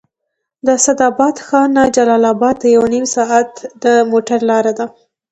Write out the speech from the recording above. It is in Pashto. د اسداباد ښار نه جلال اباد ته یو نیم ساعت د موټر لاره ده